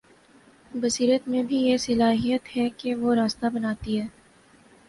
بصیرت میں بھی یہ صلاحیت ہے کہ وہ راستہ بناتی ہے۔